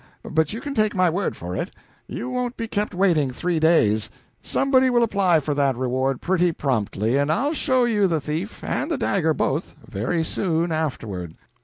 But you can take my word for it you won't be kept waiting three days. Somebody will apply for that reward pretty promptly, and I'll show you the thief and the dagger both very soon afterward."